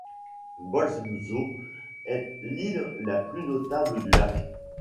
Bolmsö est l'île la plus notable du lac.